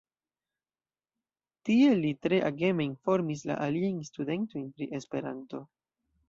Tie li tre ageme informis la aliajn studentojn pri Esperanto.